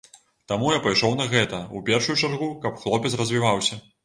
Таму я пайшоў на гэта, у першую чаргу, каб хлопец развіваўся.